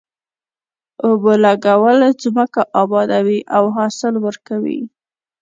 اوبو لګول ځمکه ابادوي او حاصل ورکوي.